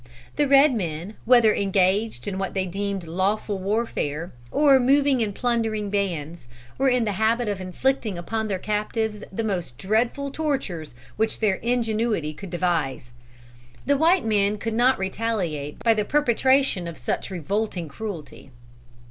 The red men, whether engaged in what they deemed lawful warfare, or moving in plundering bands, were in the habit of inflicting upon their captives the most dreadful tortures which their ingenuity could devise. The white men could not retaliate by the perpetration of such revolting cruelty.